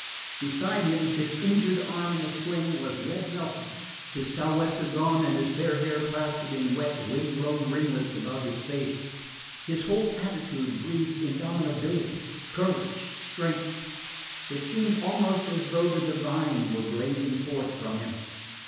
Beside him, his injured arm in a sling, was Red Nelson, his sou'wester gone and his fair hair plastered in wet, wind blown ringlets about his face. His whole attitude breathed indomitability, courage, strength. It seemed almost as though the divine were blazing forth from him.